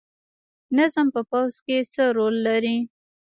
نظم په پوځ کې څه رول لري؟